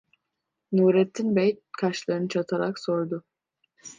Nurettin bey kaşlarını çatarak sordu.